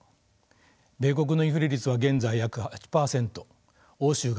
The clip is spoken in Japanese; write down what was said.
米国のインフレ率は現在約８％欧州が１０％です。